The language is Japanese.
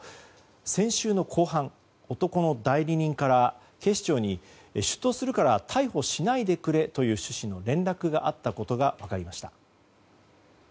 先週の後半、男の代理人から警視庁に出頭するから逮捕しないでくれという趣旨の連絡があったことが分かりました。